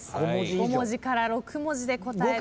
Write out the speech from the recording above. ５文字から６文字で答えないと。